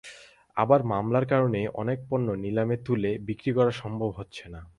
আবার মামলার কারণেও অনেক পণ্য নিলামে তুলে বিক্রি করা সম্ভব হচ্ছে না।